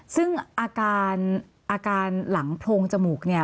ซึ่งอาการหลังโพรงจมูกนี่